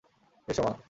এসো, মা।